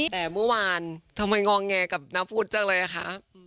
แต่วันทำไมงองแง่กับนักพุทธจังเลยคะ